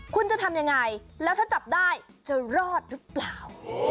คุณจะทำยังไงแล้วถ้าจับได้จะรอดหรือเปล่า